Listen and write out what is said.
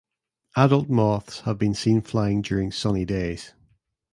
Adult moths have been seen flying during sunny days.